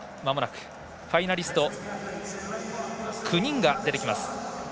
ファイナリスト９人が出てきます。